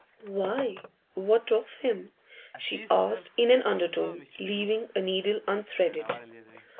'Why, what of him?' she asked in an undertone, leaving a needle unthreaded.